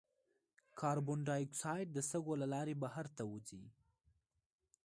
کاربن ډای اکساید د سږو له لارې بهر ته وځي.